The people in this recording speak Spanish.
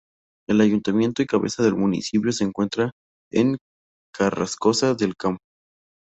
El Ayuntamiento y cabeza del municipio se encuentra en Carrascosa del Campo.